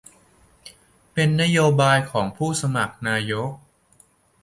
เป็นนโยบายของผู้สมัครนายก